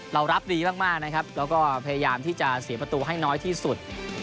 เรารับดีมากนะครับแล้วก็พยายามที่จะเสียประตูให้น้อยที่สุด